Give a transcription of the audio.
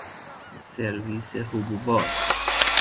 سرویس حبوبات